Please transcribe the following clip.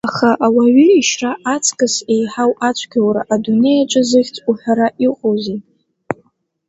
Аха ауаҩы ишьра аҵкыс еиҳау ацәгьоура адунеиаҿы зыхьӡ уҳәара иҟоузеи!